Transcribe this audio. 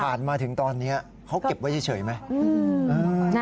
มาถึงตอนนี้เขาเก็บไว้เฉยไหม